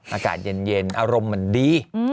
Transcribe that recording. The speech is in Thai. อากาศเย็นอารมณ์มันดี